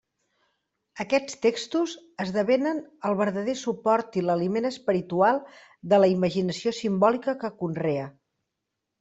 Aquests textos esdevenen el vertader suport i l'aliment espiritual de la imaginació simbòlica que conrea.